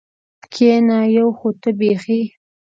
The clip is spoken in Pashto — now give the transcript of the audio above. کېنه یو خو ته بېخي.